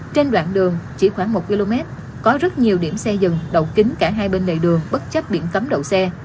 trên đoạn đường chỉ khoảng một km có rất nhiều điểm xe dừng đậu kính cả hai bên lề đường bất chấp biển cấm đậu xe